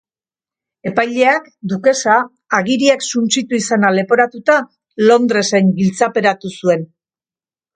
Epaileak dukesa agiriak suntsitu izana leporatuta Londresen giltzaperatu zuen.